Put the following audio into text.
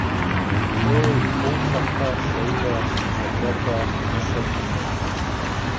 Эй, ул саҡта сәй ҙә, шәкәр ҙә ысын ине.